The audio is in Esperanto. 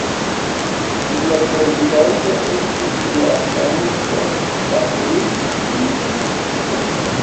Ĝia prezidanto estis la franco Patrick Louis.